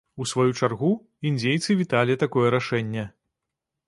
У сваю чаргу, індзейцы віталі такое рашэнне.